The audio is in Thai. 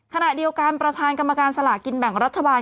ขณะเดียวกันประธานกรรมการสลากินแบ่งรัฐบาล